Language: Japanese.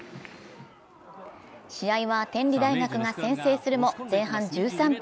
試合は天理大学が先制するも前半１３分。